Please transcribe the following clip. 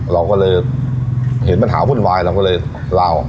เราก็เลยเห็นปัญหาวุ่นวายเราก็เลยลาว